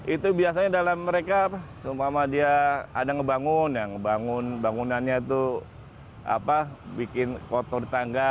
itu biasanya dalam mereka seumpama dia ada ngebangun yang ngebangun bangunannya itu bikin kotor tangga